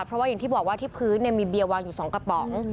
เพราะว่าอย่างที่บอกว่าที่พื้นมีเบียร์วางอยู่๒กระป๋อง